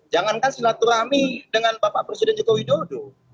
jangankan silaturahmi dengan bapak presiden jokowi dodo